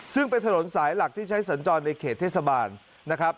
ซึ่งเป็นถนนสายหลักที่ใช้สัญจรในเขตเทศบาลนะครับ